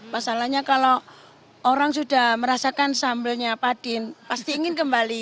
masalahnya kalau orang sudah merasakan sambelnya padin pasti ingin kembali